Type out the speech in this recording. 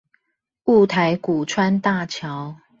霧台谷川大橋